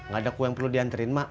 gak ada kue yang perlu diantarin mak